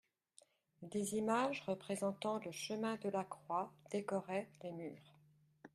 Des images représentant le chemin de la croix décoraient les murs.